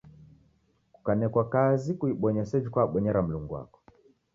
Kukanekwa kazi kuibonye seji kwabonyera Mlungu wako.